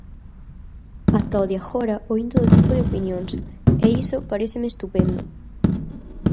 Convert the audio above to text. Ata o de agora oín todo tipo de opinións e iso paréceme estupendo.